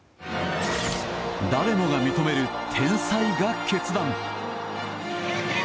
誰もが認める天才が決断。